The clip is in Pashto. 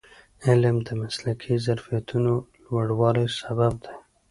علم د مسلکي ظرفیتونو د لوړوالي سبب دی.